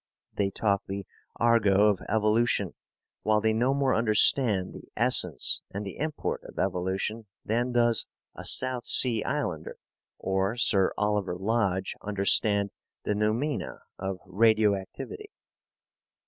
They talk the argot of evolution, while they no more understand the essence and the import of evolution than does a South Sea Islander or Sir Oliver Lodge understand the noumena of radio activity.